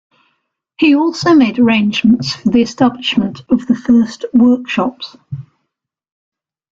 He also made arrangements for the establishment of the first workshops.